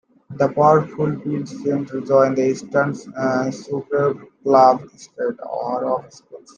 The powerfully built centre joined the Eastern Suburbs club straight out of school.